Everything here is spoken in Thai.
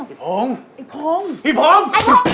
ไอพง